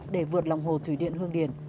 để vượt lòng hồ thủy điện hương điền